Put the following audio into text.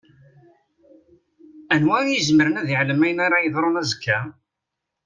Anwa i izemren ad iɛlem ayen ara yeḍṛun azekka?